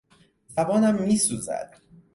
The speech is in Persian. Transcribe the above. زبانم میسوزد.